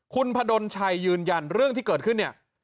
คุณพดลชัยยืนยันเรื่องที่เกิดขึ้นเนี่ย